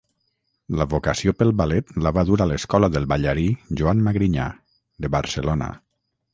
La vocació pel ballet la va dur a l'escola del ballarí Joan Magrinyà, de Barcelona.